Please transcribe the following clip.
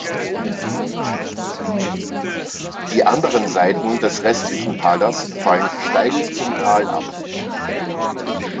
Die anderen Seiten des restlichen Palas fallen steil zum Tal ab.